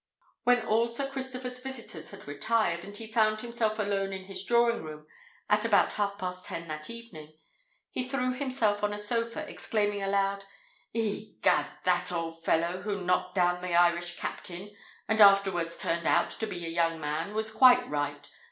When all Sir Christopher's visitors had retired, and he found himself alone in his drawing room at about half past ten that evening, he threw himself on a sofa, exclaiming aloud, "Egad! that old fellow, who knocked down the Irish Captain and afterwards turned out to be a young man, was quite right.